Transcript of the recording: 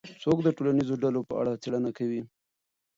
څوک د ټولنیزو ډلو په اړه څېړنه کوي؟